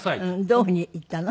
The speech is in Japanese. どういうふうに言ったの？